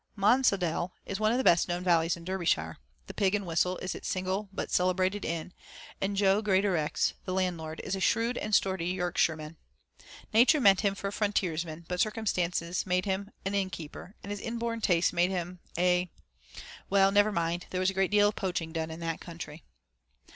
II Monsaldale is one of the best known valleys in Derbyshire. The Pig and Whistle is its single but celebrated inn, and Jo Greatorex, the landlord, is a shrewd and sturdy Yorkshireman. Nature meant him for a frontiersman, but circumstances made him an innkeeper and his inborn tastes made him a well, never mind; there was a great deal of poaching done in that country.